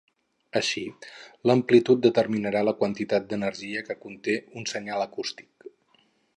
Així, l’amplitud determinarà la quantitat d’energia que conté un senyal acústic.